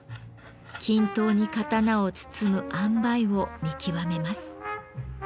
均等に刀を包むあんばいを見極めます。